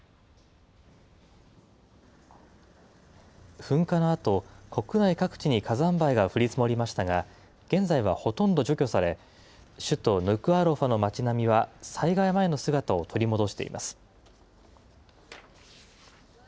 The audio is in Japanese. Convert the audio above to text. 噴火のあと、国内各地に火山灰が降り積もりましたが、現在はほとんど除去され、首都ヌクアロファの町並みは、災害前の姿を取り戻しています。